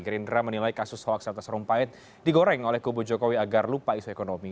gerindra menilai kasus hoaksa rumpait digoreng oleh kubu jokowi agar lupa isu ekonomi